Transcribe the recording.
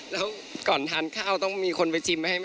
แล้วก่อนทานข้าวต้องมีคนไปชิมไหม